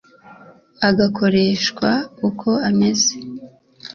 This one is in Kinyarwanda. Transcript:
agakoreshwa uko ameze